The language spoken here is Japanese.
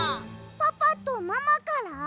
パパとママから？